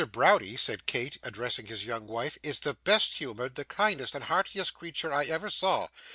Browdie,' said Kate, addressing his young wife, 'is the best humoured, the kindest and heartiest creature I ever saw.